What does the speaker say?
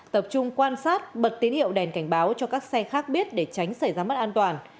tập trung quan sát bật tín hiệu đèn cảnh báo cho các xe khác biết để tránh xảy ra mất an toàn